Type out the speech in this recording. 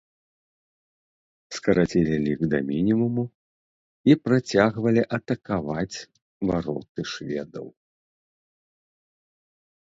Скарацілі лік да мінімуму і працягвалі атакаваць вароты шведаў.